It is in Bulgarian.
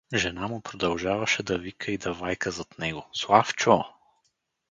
Жена му продължаваше да вика и да вайка зад него: — Славчо!